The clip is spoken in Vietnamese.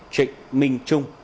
trịnh minh trung